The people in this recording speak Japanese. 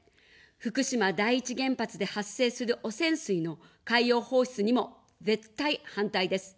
福島第一原発で発生する汚染水の海洋放出にも絶対反対です。